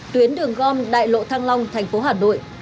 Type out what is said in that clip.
tuyến đường gom đại lộ thăng long thành phố hà nội